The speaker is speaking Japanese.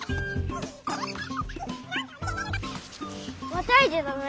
またいじゃだめ。